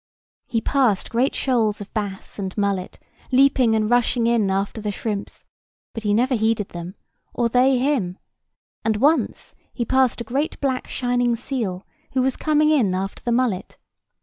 He passed great shoals of bass and mullet, leaping and rushing in after the shrimps, but he never heeded them, or they him; and once he passed a great black shining seal, who was coming in after the mullet.